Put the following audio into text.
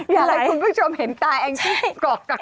อยากให้คุณผู้ชมเห็นตาแองจี้กอกไก่